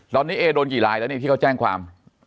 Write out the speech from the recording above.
ตอนนี้เอ่ยโดนกี่ไลน์แล้วที่เขาแจ้งความ